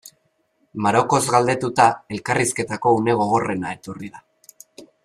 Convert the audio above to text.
Marokoz galdetuta, elkarrizketako une gogorrena etorri da.